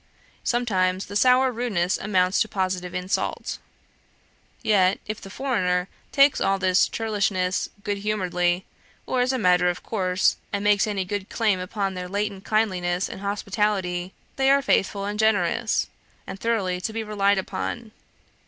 Sometimes the sour rudeness amounts to positive insult. Yet, if the "foreigner" takes all this churlishness good humouredly, or as a matter of course, and makes good any claim upon their latent kindliness and hospitality, they are faithful and generous, and thoroughly to be relied upon.